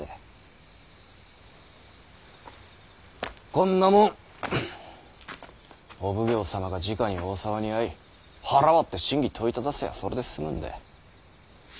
こんなもんお奉行様がじかに大沢に会い腹割って真偽問いただせばそれで済むんだい。